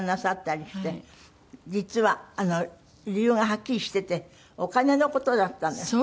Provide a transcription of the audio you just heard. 実は理由がはっきりしててお金の事だったんですって？